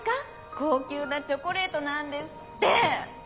高級なチョコレートなんですって。